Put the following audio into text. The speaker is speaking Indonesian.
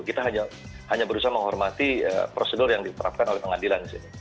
kita hanya berusaha menghormati prosedur yang diterapkan oleh pengadilan di sini